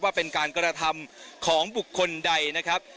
ว่าเป็นการกระทำของบุคคลใดนะครับ